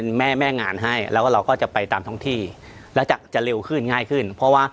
ธนายเกลียงศาสตร์ก็เลยบอก